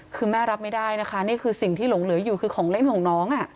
คือแม่รับไม่ได้นะคะนี่คือสิ่งที่หลงเหลืออยู่คือของเล่นของน้อง